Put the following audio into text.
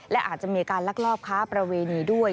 และอาจจะมีการลักลอบค้าประเวณีด้วย